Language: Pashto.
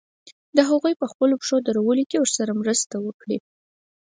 د هغوی په خپلو پښو درولو کې ورسره مرسته وکړي.